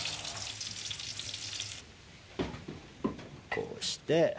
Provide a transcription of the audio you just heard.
こうして。